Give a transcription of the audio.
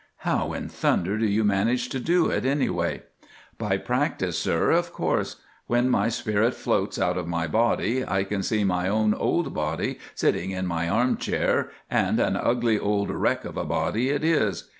"How in thunder do you manage to do it anyway?" "By practice, sir, of course. When my spirit floats out of my body, I can see my own old body sitting in my armchair and an ugly old wreck of a body it is.